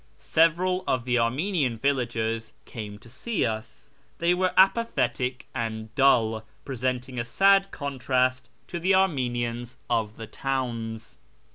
Several of the Armenian villagers came to see us. They were apathetic and dull, presenting a sad contrast to the Armenians of the towns.